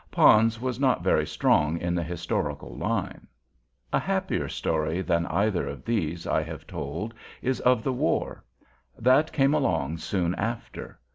Pons was not very strong in the historical line. A happier story than either of these I have told is of the war. That came along soon after.